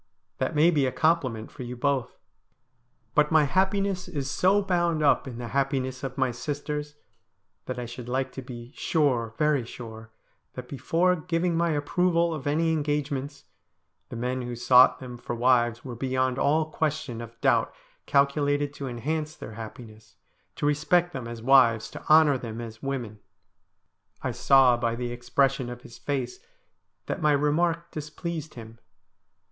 That may be a compliment for you both. But my happiness is so bound up in the happiness of my sisters, that I should like to be sure — very sure — that, before giving my approval of any engagements, the men who sought them for wives were beyond all question of doubt calculated to enhance their happiness, to respect them as wives, to honour them as women.' I saw by the expression of his face that my remark dis pleased him.